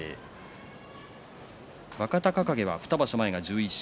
若隆景が２場所前は１１勝。